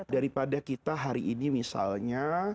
daripada kita hari ini misalnya